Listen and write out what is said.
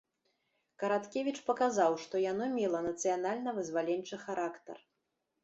Караткевіч паказаў, што яно мела нацыянальна-вызваленчы характар.